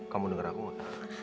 kamu denger aku gak